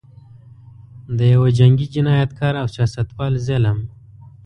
د یوه جنګي جنایتکار او سیاستوال ظلم.